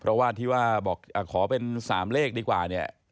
เพราะว่าที่ว่าบอกขอเป็น๓เลขดีกว่าเนี่ย